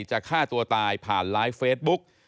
จะฆ่าตัวตายผ่านไลฟ์เฟซบุ๊ก